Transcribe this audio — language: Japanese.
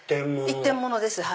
一点物です。